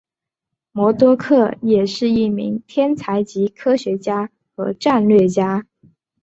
魔多客也是一名天才级科学家和战略家。